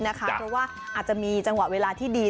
เพราะว่าอาจจะมีจังหวะเวลาที่ดี